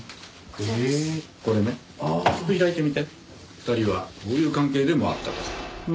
２人はこういう関係でもあったとか。